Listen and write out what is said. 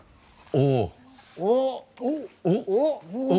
おお。